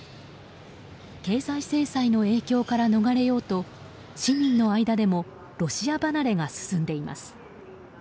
経済制裁の影響から逃れようと市民の間でもロシア離れが進んでいます。